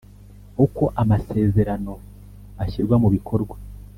uko amasezerano ashyirwa mu bikorwa